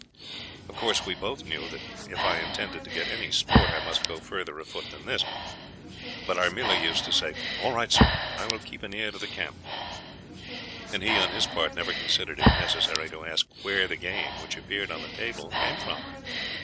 Of course we both knew that if I intended to get any sport I must go further afoot than this; but I merely used to say 'All right, sir, I will keep an ear to the camp,' and he on his part never considered it necessary to ask where the game which appeared on the table came from.